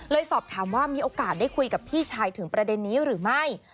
สอบถามว่ามีโอกาสได้คุยกับพี่ชายถึงประเด็นนี้หรือไม่